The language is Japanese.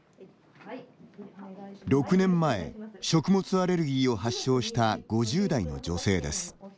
６年前、食物アレルギーを発症した５０代の女性です。